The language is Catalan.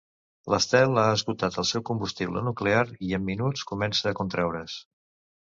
L'estel ha esgotat el seu combustible nuclear i en minuts comença a contreure's.